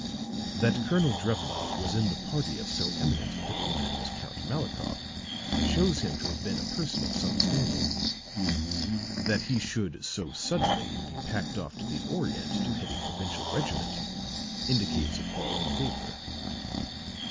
That Colonel Drevenoff was in the party of so eminent a diplomat as Count Malikoff shows him to have been a person of some standing; that he should so suddenly be packed off to the Orient to head a provincial regiment indicates a fall in favor.